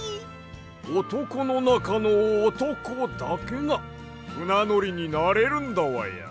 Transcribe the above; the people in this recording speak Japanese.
おとこのなかのおとこだけがふなのりになれるんだわや。